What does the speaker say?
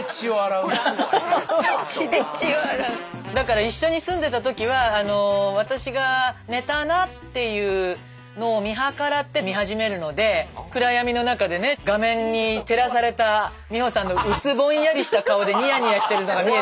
だから一緒に住んでた時は私が寝たなっていうのを見計らって見始めるので暗闇の中でね画面に照らされた美穂さんの薄ぼんやりした顔でニヤニヤしてるのが見えて。